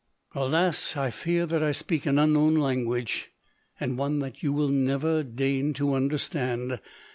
" Alas ! I fear that I speak an unknown lan guage, and one that you will never deign to understand.